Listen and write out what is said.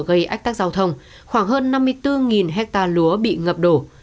khách tác giao thông khoảng hơn năm mươi bốn ha lúa bị ngập đổ